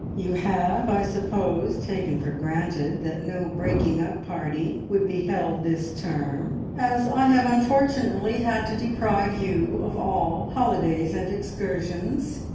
You have, I suppose, taken for granted that no breaking up party would be held this term, as I have unfortunately had to deprive you of all holidays and excursions.